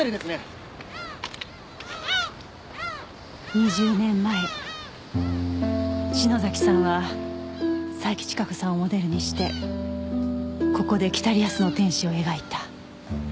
２０年前篠崎さんは佐伯千加子さんをモデルにしてここで『北リアスの天使』を描いた。